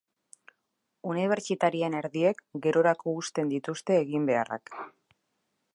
Unibertsitarien erdiek, gerorako uzten dituzte eginbeharrak.